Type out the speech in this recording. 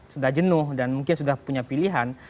sudah jenuh dan mungkin sudah punya pilihan